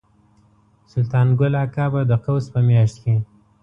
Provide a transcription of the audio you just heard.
سلطان ګل اکا به د قوس په میاشت کې.